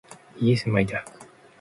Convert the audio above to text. イエスマイダーク